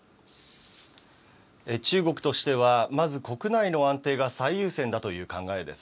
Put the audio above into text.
中国としては、まず国内の安定が最優先だという考えです。